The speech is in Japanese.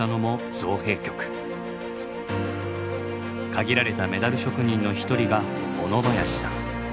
限られたメダル職人の一人が小野林さん。